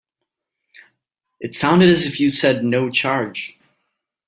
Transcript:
It sounded as if you said no charge.